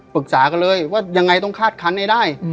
ปรึกษากันเลยว่ายังไงต้องคาดคันให้ได้